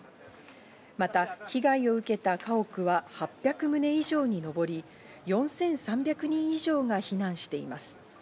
また被害を受けた家屋は８００棟以上にのぼり、４３００人以上が避難しています。